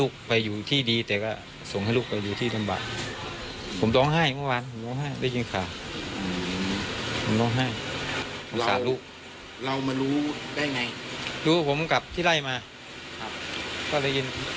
ก็เลยยินชาวบ้านมันคือจิต